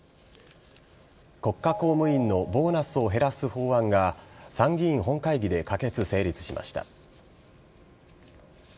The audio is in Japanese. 国家公務員のボーナスを減らす法案が参議院本会議で可決、成立しました。